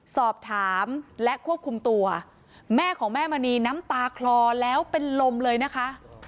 สอบถามและควบคุมตัวแม่ของแม่มณีน้ำตาคลอแล้วเป็นลมเลยนะคะ